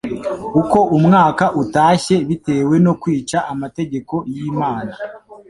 uko umwaka utashye bitewe no kwica amategeko y'Imana,